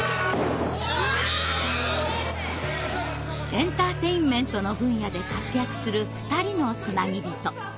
エンターテインメントの分野で活躍する２人のつなぎびと。